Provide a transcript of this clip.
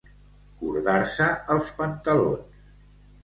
Cordar-se els pantalons.